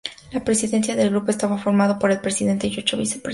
La presidencia del grupo estaba formada por el presidente y ocho vicepresidentes.